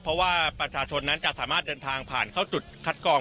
เพราะว่าประชาชนนั้นจะสามารถเดินทางผ่านเข้าจุดคัดกรอง